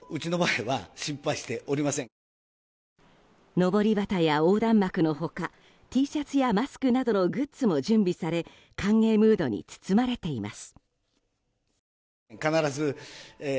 のぼり旗や、横断幕の他Ｔシャツやマスクなどのグッズも準備され歓迎ムードに包まれています。